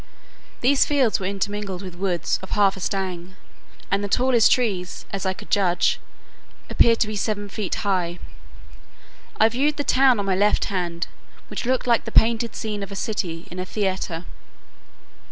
These fields were intermingled with woods of half a stang, and the tallest trees, as I could judge, appeared to be seven feet high. I viewed the town on my left hand, which looked like the painted scene of a city in a theatre.